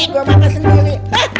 gue makan sendiri